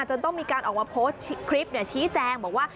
จนต้องมีการออกมาโพสต์คลิปชี้แจงบอกว่า